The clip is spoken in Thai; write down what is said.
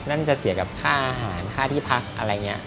นั่นจะเสียกับค่าอาหารค่าที่พักอะไรอย่างนี้